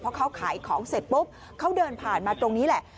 เพราะเขาขายของเสร็จปุ๊บเขาเดินผ่านมาตรงนี้แหละ